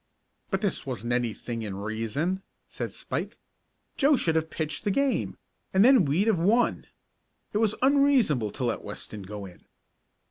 "But this wasn't anything in reason," said Spike. "Joe should have pitched the game, and then we'd have won. It was unreasonable to let Weston go in."